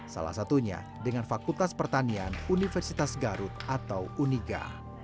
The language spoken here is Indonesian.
salah satunya dengan fakultas pertanian universitas garut atau uniga